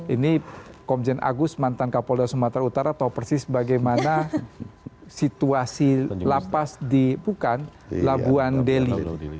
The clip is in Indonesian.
ini komjen agus mantan kapolda sumatera utara tahu persis bagaimana situasi lapas di pukan labuan deli